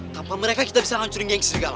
tanpa mereka kita bisa hancurin geng serigala